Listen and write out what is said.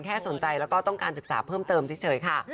สนใจแล้วก็ต้องการศึกษาเพิ่มเติมเฉยค่ะ